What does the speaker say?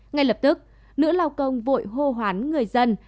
ngay lập tức nữ lao công vội hô hoán người dân